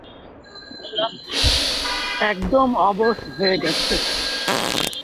একদম অবশ হয়ে গেছে।